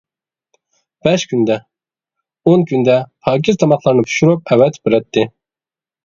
بەش كۈندە، ئون كۈندە پاكىز تاماقلارنى پىشۇرۇپ ئەۋەتىپ بېرەتتى.